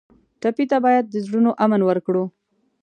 ټپي ته باید د زړونو امن ورکړو.